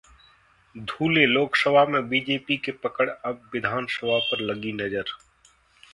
धुलेः लोकसभा में बीजेपी की पकड़, अब विधानसभा पर लगी नजर